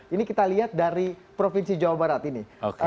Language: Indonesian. ini kita lihat dari provinsi jawa barat ini